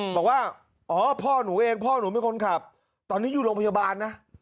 บอกว่าอ๋อพ่อหนูเองพ่อหนูเป็นคนขับตอนนี้อยู่โรงพยาบาลนะ